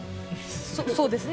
そうですね。